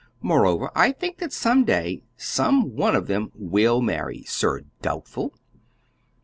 "Moreover, I think that some day, some one of them will marry, Sir Doubtful!"